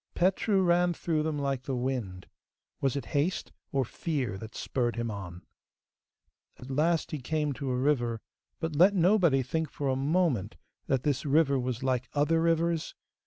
Petru ran through them like the wind. Was it haste or fear that spurred him on? At last he came to a river, but let nobody think for a moment that this river was like other rivers?